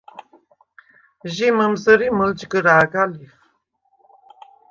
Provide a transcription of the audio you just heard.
ჟი მჷმზჷრი მჷლჯგჷრა̄გა ლიხ.